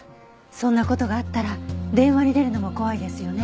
そんな事があったら電話に出るのも怖いですよね。